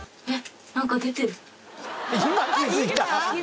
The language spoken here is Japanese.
今気づいた？